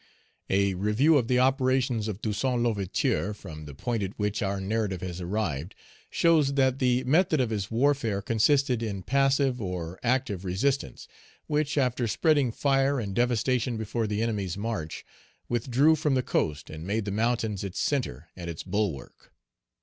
A review of the operations of Toussaint L'Ouverture, from the point at which our narrative has arrived, shows that the method of his warfare consisted in passive or active resistance, which, after spreading fire and devastation before the enemy's march, withdrew from the coast and made the mountains its centre and its bulwark.